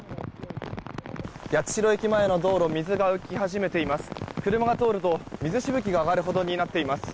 八代駅前の道路水が浮き始めています。